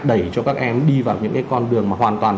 đẩy cho các em đi vào những cái con đường mà hoàn toàn